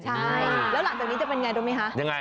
ใช่แล้วหลังจากนี้จะเป็นไงรู้ไหมคะ